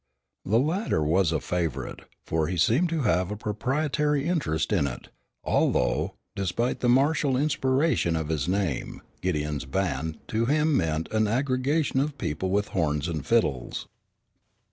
The latter was a favorite, for he seemed to have a proprietary interest in it, although, despite the martial inspiration of his name, "Gideon's band" to him meant an aggregation of people with horns and fiddles.